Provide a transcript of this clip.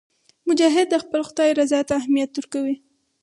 مجاهد د خپل خدای رضا ته اهمیت ورکوي.